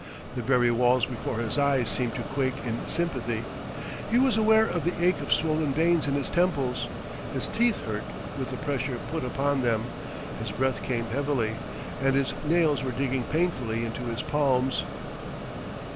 The very walls before his eyes seemed to quake in sympathy. He was aware of the ache of swollen veins in his temples, his teeth hurt with the pressure put upon them, his breath came heavily, and his nails were digging painfully into his palms.